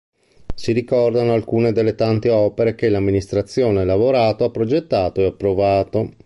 Si ricordano alcune delle tante opere che l'Amministrazione Lavorato ha progettato e approvato.